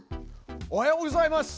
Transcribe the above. おはようございます隊長。